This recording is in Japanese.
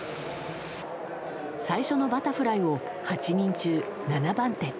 最初のバタフライを８人中７番手。